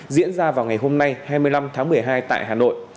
diễn ra vào ngày hôm nay hai mươi năm tháng một mươi hai tại hà nội